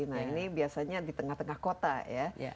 nah ini biasanya di tengah tengah kota ya